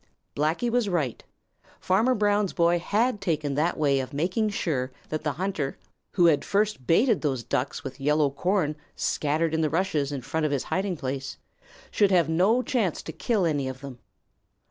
Blacky was right. Farmer Brown's boy had taken that way of making sure that the hunter who had first baited those Ducks with yellow corn scattered in the rushes in front of his hiding place should have no chance to kill any of them.